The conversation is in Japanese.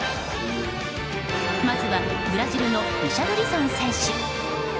まずはブラジルのリシャルリソン選手。